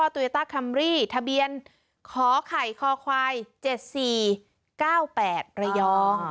ต้าคัมรี่ทะเบียนขอไข่คอควายเจ็ดสี่เก้าแปดระยอง